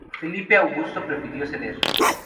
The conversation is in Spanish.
Felipe Augusto prefirió ceder.